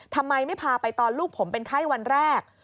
ทำไมไม่พาไปตอนลูกผมเป็นไข้วันแรก